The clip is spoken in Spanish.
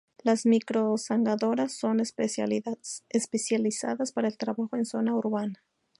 Las micro-zanjadoras son especializadas para el trabajo en zona urbana.